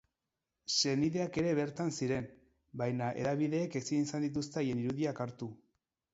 Senideak ere bertan ziren, baina hedabideek ezin izan dituzte haien irudiak hartu.